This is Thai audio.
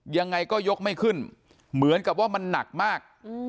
ยังไงก็ยกไม่ขึ้นเหมือนกับว่ามันหนักมาก